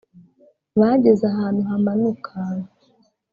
bageze ahantu hamanuka